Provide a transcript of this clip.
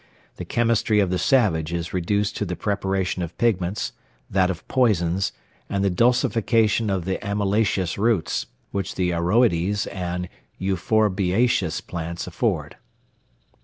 The chemistry of the savage is reduced to the preparation of pigments, that of poisons, and the dulcification of the amylaceous roots, which the aroides and the euphorbiaceous plants afford.